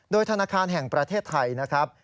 โดยธนาคารแห่งประเทศไทยนะครับ